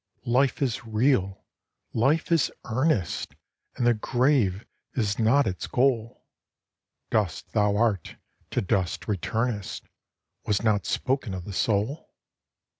Life is real ! Life is earnest ! And the grave is not its goal ; Dust thou art, to dust returnest, Was not spoken of the soul.